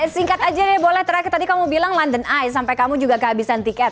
singkat aja deh boleh terakhir tadi kamu bilang london eye sampai kamu juga kehabisan tiket